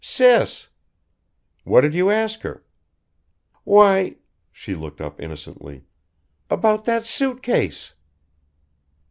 "Sis." "What did you ask her?" "Why " she looked up innocently "about that suit case!"